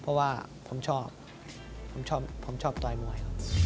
เพราะว่าผมชอบผมชอบต่อยมวย